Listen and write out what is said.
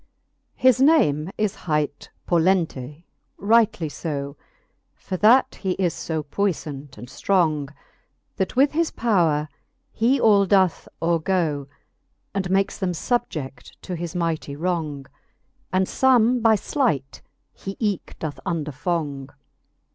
VII. His name is hight Pollente, rightly {6, For that he is fb puiflant and ftrong, That with his powre he all doth overgo, And makes them fubje£t to his mighty wrong; And Ibme by Height he eke doth underfong.